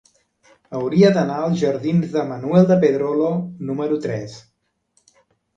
Hauria d'anar als jardins de Manuel de Pedrolo número tres.